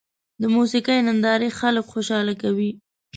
د موسیقۍ نندارې خلک خوشحاله کوي.